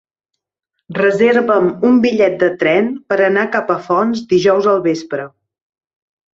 Reserva'm un bitllet de tren per anar a Capafonts dijous al vespre.